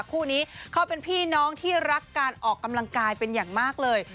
คู่นี้เขาเป็นพี่น้องที่รักการออกกำลังกายเป็นอย่างมากเลย